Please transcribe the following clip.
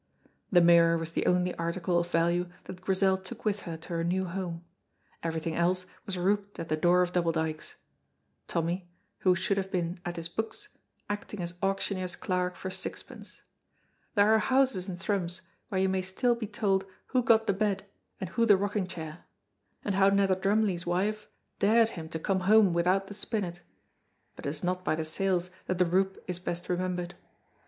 The mirror was the only article of value that Grizel took with her to her new home; everything else was rouped at the door of Double Dykes; Tommy, who should have been at his books, acting as auctioneer's clerk for sixpence. There are houses in Thrums where you may still be told who got the bed and who the rocking chair, and how Nether Drumgley's wife dared him to come home without the spinet; but it is not by the sales that the roup is best remembered.